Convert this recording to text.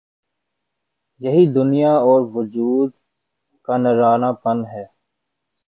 یہی دنیا اور وجود کا نرالا پن ہے۔